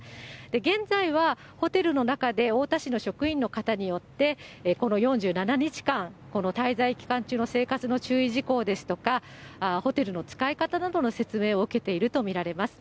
現在はホテルの中で太田市の職員の方によって、この４７日間、この滞在期間中の生活の注意事項ですとか、ホテルの使い方などの説明を受けていると見られます。